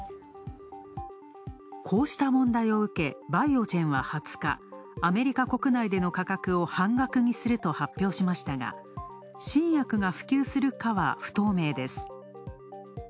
こうした問題を受け、バイオジェンは２０日、アメリカ国内での価格を半額にすると発表しましたが、新薬が普及するかは不透明です。